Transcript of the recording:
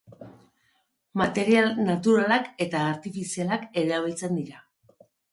Material naturalak eta artifizialak erabiltzen dira.